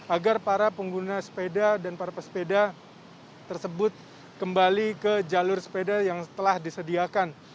agar para pengguna sepeda dan para pesepeda tersebut kembali ke jalur sepeda yang telah disediakan